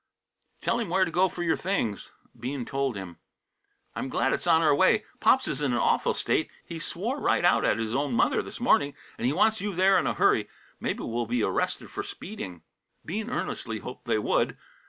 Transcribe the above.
"Tell him where to go for your things." Bean told him. "I'm glad it's on our way. Pops is in an awful state. He swore right out at his own mother this morning, and he wants you there in a hurry. Maybe we'll be arrested for speeding." Bean earnestly hoped they would.